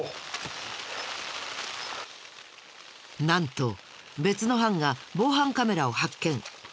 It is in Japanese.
なんと別の班が防犯カメラを発見。